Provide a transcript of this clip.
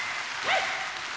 はい！